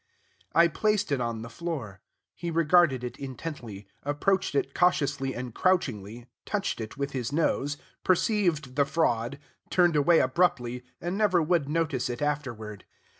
I placed it on the floor. He regarded it intently, approached it cautiously and crouchingly, touched it with his nose, perceived the fraud, turned away abruptly, and never would notice it afterward.